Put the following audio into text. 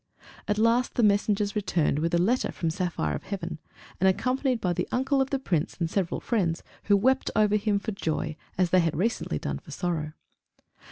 At last the messengers returned with a letter from Saphire of Heaven, and accompanied by the Uncle of the Prince, and several friends, who wept over him for joy, as they had recently done for sorrow.